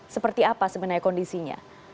seperti apa sebenarnya kondisinya